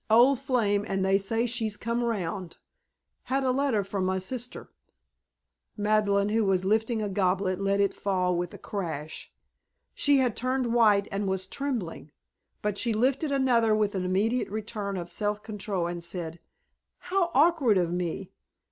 Old flame and they say she's come round. Had a letter from my sister." Madeleine, who was lifting a goblet, let it fall with a crash. She had turned white and was trembling, but she lifted another with an immediate return of self control, and said, "How awkward of me!